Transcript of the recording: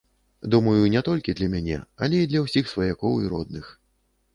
Думаю, не толькі для мяне, але і для ўсіх сваякоў і родных.